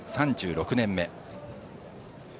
３６年目。